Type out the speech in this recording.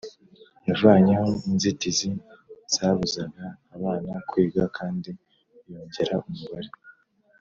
Yavanyeho inzitizi zabuzaga abana kwiga kandi yongera umubare